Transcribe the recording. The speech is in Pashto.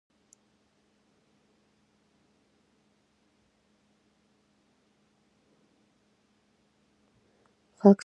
خاکسار اوسئ